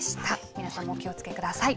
皆さんもお気をつけください。